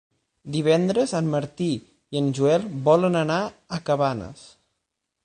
Divendres en Martí i en Joel volen anar a Cabanes.